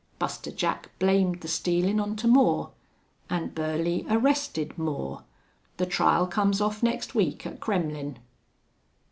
Buster Jack blamed the stealin' on to Moore. An' Burley arrested Moore. The trial comes off next week at Kremmlin'."